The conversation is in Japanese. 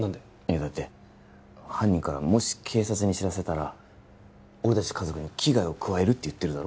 だって犯人からもし警察に知らせたら俺達家族に危害を加えるって言ってるだろ